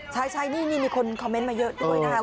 ใช่นี่มีคนคอมเมนต์มาเยอะด้วยนะครับ